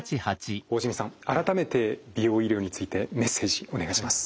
大慈弥さん改めて美容医療についてメッセージお願いします。